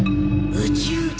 宇宙人？